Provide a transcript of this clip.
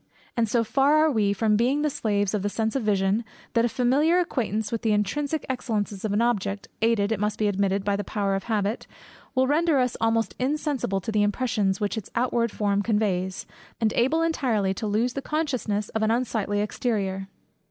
And so far are we from being the slaves of the sense of vision, that a familiar acquaintance with the intrinsic excellences of an object, aided, it must be admitted, by the power of habit, will render us almost insensible to the impressions which its outward form conveys, and able entirely to lose the consciousness of an unsightly exterior.